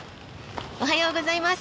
おはようございます。